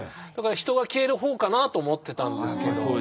だから人が消える方かなと思ってたんですけど。